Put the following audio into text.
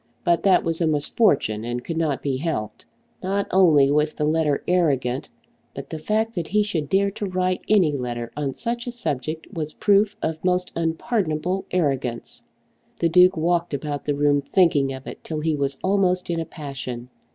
But that was a misfortune, and could not be helped! Not only was the letter arrogant; but the fact that he should dare to write any letter on such a subject was proof of most unpardonable arrogance. The Duke walked about the room thinking of it till he was almost in a passion.